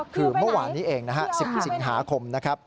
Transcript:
คือเมื่อวานนี้เอง๑๐สิงหาคม